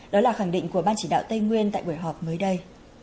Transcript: đó là khẳng định của ban chỉ đạo tây nguyên tại buổi họp mới đây